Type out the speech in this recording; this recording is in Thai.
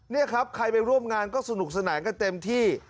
นี่ครับใครไปร่วมงานก็สนุกสนานกันเต็มที่